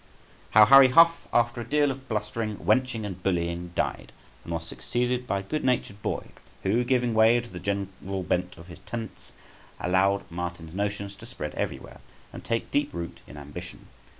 How Harry Huff, after a deal of blustering, wenching, and bullying, died, and was succeeded by a good natured boy {161a}, who, giving way to the general bent of his tenants, allowed Martin's notions to spread everywhere, and take deep root in Ambition.